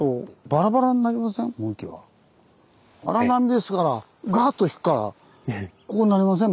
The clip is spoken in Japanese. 荒波ですからガーッと引くからこうなりません？